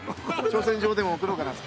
挑戦状でも送ろうかなと。